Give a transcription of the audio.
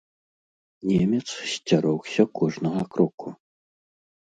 Немец сцярогся кожнага кроку.